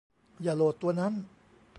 อย่าโหลดตัวนั้น